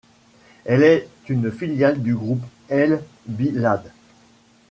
Elle est une filiale du groupe El Bilad.